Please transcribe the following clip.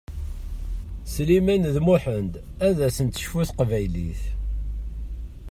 Sliman d Muḥend ad asen-tecfu teqbaylit.